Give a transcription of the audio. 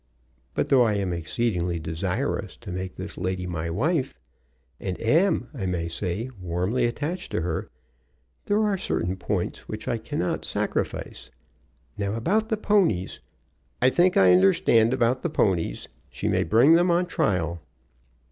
But though I am exceedingly desirous to make this lady my wife, and am, I may say, warmly attached to her, there are certain points which I cannot sacrifice. Now about the ponies " "I think I understand about the ponies. She may bring them on trial."